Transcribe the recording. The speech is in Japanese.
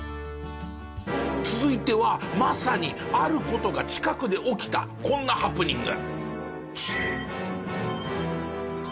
続いてはまさにある事が近くで起きたこんなハプニング。